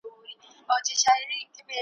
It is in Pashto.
ځکه نو خپل لاسونه په رنګونو ولړي ,